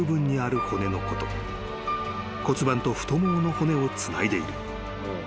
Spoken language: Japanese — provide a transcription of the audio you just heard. ［骨盤と太ももの骨をつないでいる］